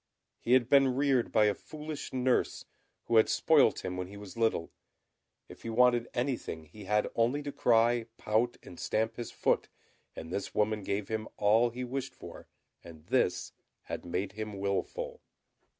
He had been reared by a foolish nurse, who had spoilt him when he was little. If he wanted anything he had only to cry, pout, and stamp his foot, and this woman gave him all he wished for; and this had made him wilful.